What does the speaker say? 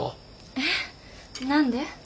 えっ？何で？